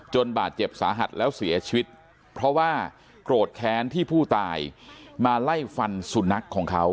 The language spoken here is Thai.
บาดเจ็บสาหัสแล้วเสียชีวิตเพราะว่าโกรธแค้นที่ผู้ตายมาไล่ฟันสุนัขของเขา